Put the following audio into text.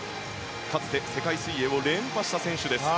かつて世界水泳を連覇した選手。